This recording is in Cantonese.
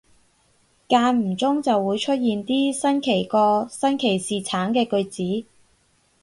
間唔中就會出現啲新奇過新奇士橙嘅句子